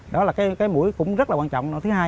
đó là cái mũi cũng rất là quan trọng